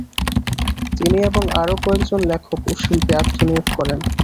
তিনি এবং আরও কয়েকজন লেখক ও শিল্পী আত্মনিয়োগ করেন।